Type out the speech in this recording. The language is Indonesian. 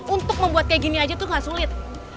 untuk membuat kayak gini aja tuh gak sulit